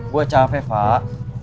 gue capek fak